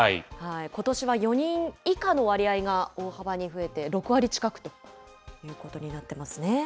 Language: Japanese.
ことしは４人以下の割合が大幅に増えて、６割近くということになってますね。